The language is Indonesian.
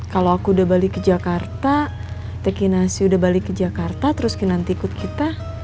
kalau aku udah balik ke jakarta teh kinasi udah balik ke jakarta terus ke nanti ikut kita